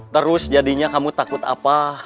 terus jadinya kamu takut apa